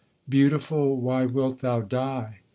'Beautiful, why wilt thou die?